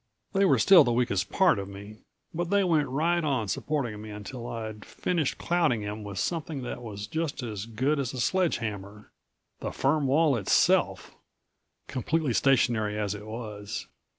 They were still the weakest part of me, but they went right on supporting me until I'd finished clouting him with something that was just as good as a sledgehammer the firm wall itself, completely stationary as it was.